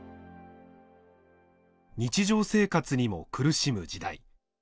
日常生活にも苦しむ時代。